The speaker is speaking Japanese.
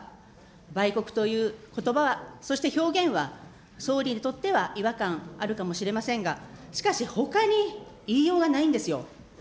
売国ということばは、そして表現は、総理にとっては違和感あるかもしれませんが、しかしほかに言いようがないんですよ。